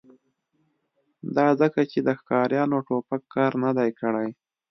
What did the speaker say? دا ځکه چې د ښکاریانو ټوپک کار نه دی کړی